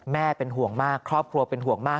แม่เป็นห่วงมากครอบครัวเป็นห่วงมาก